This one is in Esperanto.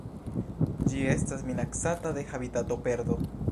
Ĝi estas minacata de habitatoperdo.